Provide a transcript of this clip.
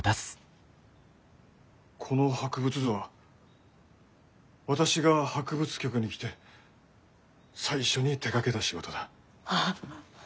この博物図は私が博物局に来て最初に手がけた仕事だ。ああ。